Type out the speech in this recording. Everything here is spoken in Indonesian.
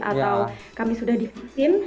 atau kami sudah di vaksin